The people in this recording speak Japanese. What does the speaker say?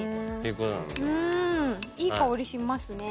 うんいい香りしますね。